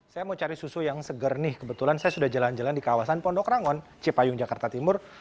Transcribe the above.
saya mau cari susu yang seger nih kebetulan saya sudah jalan jalan di kawasan pondok rangon cipayung jakarta timur